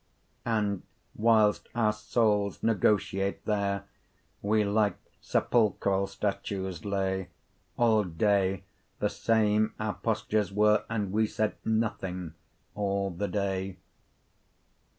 And whil'st our soules negotiate there, Wee like sepulchrall statues lay; All day, the same our postures were, And wee said nothing, all the day.